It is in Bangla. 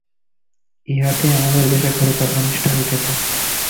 ইহাতেই আমাদের দেশে ঘোরতর অনিষ্ট হইতেছে।